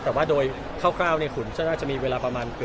แต่ว่าด้วยเคราะห์เกล้าคุณจะมีเวลาประมาณ